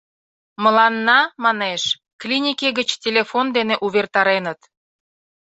— Мыланна, — манеш, — клинике гыч телефон дене увертареныт.